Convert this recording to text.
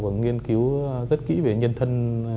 và nghiên cứu rất kỹ về nhân thân